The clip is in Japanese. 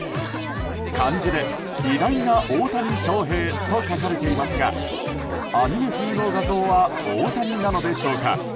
漢字で「偉大な大谷翔平」と書かれていますがアニメ風の画像は大谷なのでしょうか？